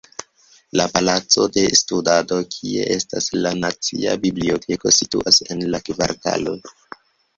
La palaco de studado, kie estas la nacia biblioteko situas en la kvartalo.